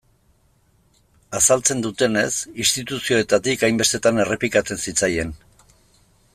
Azaltzen dutenez, instituzioetatik hainbestetan errepikatzen zitzaien.